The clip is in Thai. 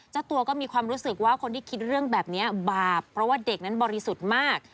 เจ้าตัวก็มีความรู้สึกว่าคนที่คิดเรื่องแบบนี้บาปเพราะว่าเด็กนั้นบริสุทธิ์มาก